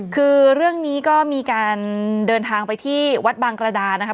คือเรื่องนี้ก็มีการเดินทางไปที่วัดบางกระดานะคะ